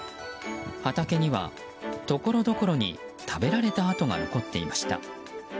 畑には、ところどころに食べられた跡が残っていました。